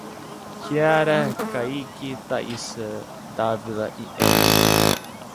Kiara, Kayky, Thaissa, Davila e Emeli